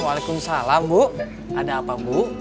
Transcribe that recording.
waalaikumsalam bu ada apa bu